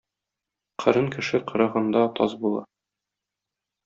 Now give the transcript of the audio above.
Кырын кеше кырыгында таз була.